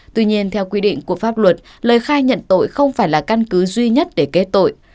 tuy nhiên theo quy định của pháp luật lời khai nhận tội không phải là căn cứ duy nhất để kết tội